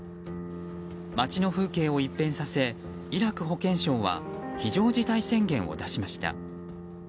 街の風景を一変させイラク保健省は非常事態宣言を出しました。